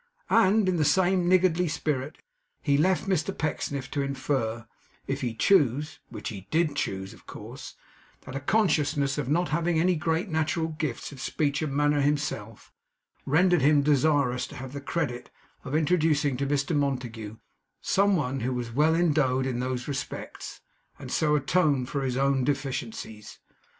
And in the same niggardly spirit, he left Mr Pecksniff to infer, if he chose (which he DID choose, of course), that a consciousness of not having any great natural gifts of speech and manner himself, rendered him desirous to have the credit of introducing to Mr Montague some one who was well endowed in those respects, and so atone for his own deficiencies.